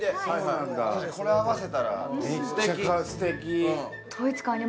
これ合わせたらめっちゃすてき。